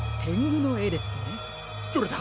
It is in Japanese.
どれだ？